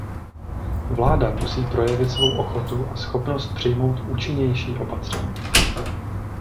Vláda musí projevit svou ochotu a schopnost přijmout účinnější opatření.